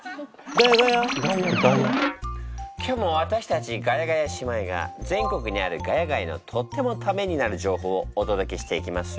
今日も私たちガヤガヤ姉妹が全国にある「ヶ谷街」のとってもためになる情報をお届けしていきます。